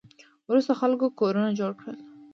وروسته خلکو کورونه جوړ کړل